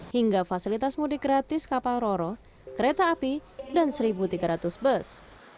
hingga fasilitas mudik gratis kapal roro kereta api dan satu tiga ratus bus